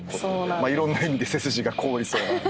まあいろんな意味で背筋が凍りそうな。